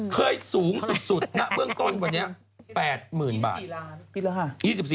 เคยสูงสุดนะเบื้องต้นวันนี้๘๐๐๐บาท